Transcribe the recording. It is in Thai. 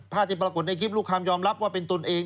พลาดจะปรากฏในคลิปรู้ความยอมรับว่าเป็นตนเอง